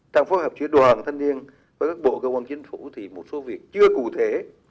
trong phối hợp giữa đoàn thanh niên với các bộ cơ quan chính phủ thì một số việc chưa cụ thể